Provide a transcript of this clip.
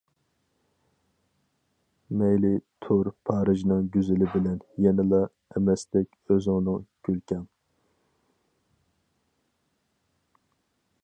مەيلى تۇر پارىژنىڭ گۈزىلى بىلەن، يەنىلا ئەمەستەك ئۆزۈڭنىڭ كۈلكەڭ.